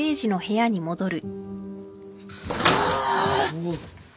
うわっ。